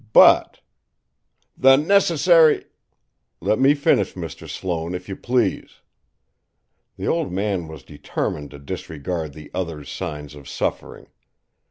But " "The necessary " "Let me finish, Mr. Sloane, if you please!" The old man was determined to disregard the other's signs of suffering.